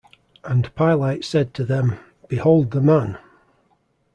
And Pilate said to them Behold the Man.